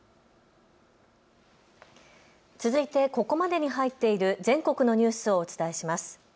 続いてここまでに入っている全国のニュースをお伝えします。